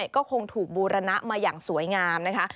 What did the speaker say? ก็คงถูกบูรณะมาอย่างสวยงามนะคะ